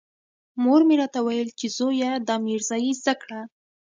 مور مې راته ويل چې زويه دا ميرزايي زده کړه.